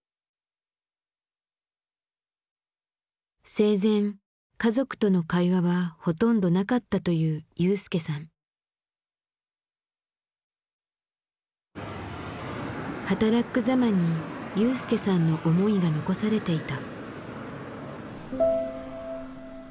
生前家族との会話はほとんどなかったという雄介さん。はたらっく・ざまに雄介さんの思いが残されていた。